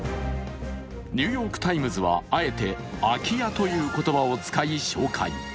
「ニューヨーク・タイムズ」はあえてＡＫＩＹＡという言葉を使い紹介。